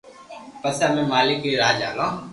پسي امي مالڪ ري راہ جالو